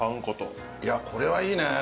いやこれはいいね。